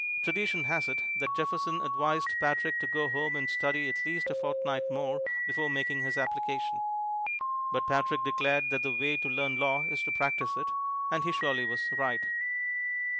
Tradition has it that Jefferson advised Patrick to go home and study at least a fortnight more before making his application. But Patrick declared that the way to learn law is to practise it, and he surely was right.